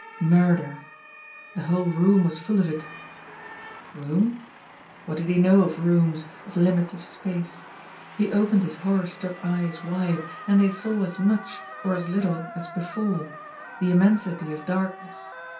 Murder. The whole room was full of it Boom? What did he know of rooms, of limits of space. He opened his horror struck eyes wide, and they saw as much, or as little, as before — ^the immensiiy of darkness.